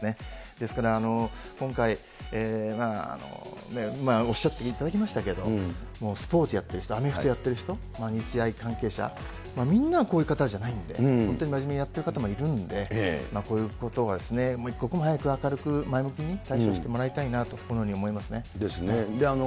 ですから、今回おっしゃっていただきましたけど、スポーツやってる人、アメフトやってる人、日大関係者、みんながこういう方じゃないんで、本当に真面目にやってる方もいるんで、こういうことが一刻も早く、明るく前向きに対処してもらいたいと思いますね。ですね。